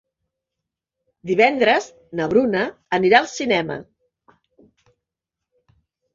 Divendres na Bruna anirà al cinema.